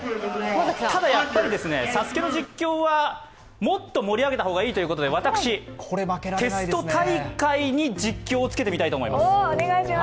ただ、やっぱりＳＡＳＵＫＥの実況はもっと盛り上げた方がいいということで私、テスト大会に実況をつけてみたいと思います。